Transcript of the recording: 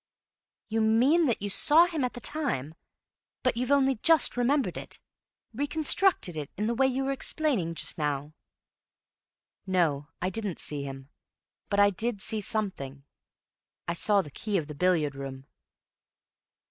"You mean you saw him at the time, but that you've only just remembered it—reconstructed it—in the way you were explaining just now?" "No. I didn't see him. But I did see something. I saw the key of the billiard room."